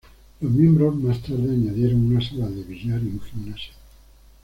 Los miembros más tarde añadieron una sala de billar y un gimnasio.